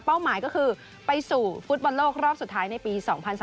หมายก็คือไปสู่ฟุตบอลโลกรอบสุดท้ายในปี๒๐๑๘